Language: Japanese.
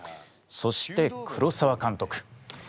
そして黒澤監督。